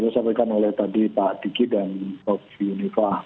disampaikan oleh tadi pak diki dan pak yunifah